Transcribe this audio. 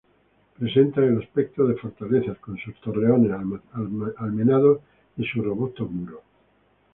Presentan el aspecto de fortalezas, con sus torreones almenados y sus robustos muros.